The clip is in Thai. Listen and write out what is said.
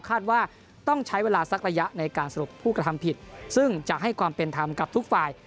คาดว่าต้องใช้เวลาสักระยะในการสรุปผู้กระทำผิดซึ่งจะให้ความเป็นธรรมกับทุกฝ่าย